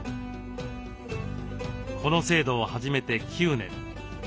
この制度を始めて９年。